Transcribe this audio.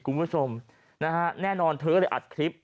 คุณผู้ชมนะฮะแน่นอนเธอก็เลยอัดคลิป